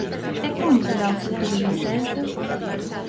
E como será o futuro do Celta?